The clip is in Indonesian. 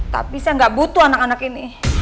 tapi saya nggak butuh anak anak ini